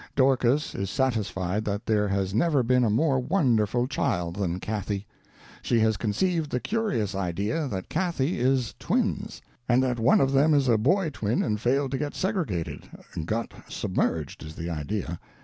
Dorcas is satisfied that there has never been a more wonderful child than Cathy. She has conceived the curious idea that Cathy is twins, and that one of them is a boy twin and failed to get segregated—got submerged, is the idea.